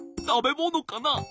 たべものかな？